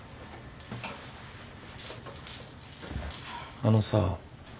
あのさ。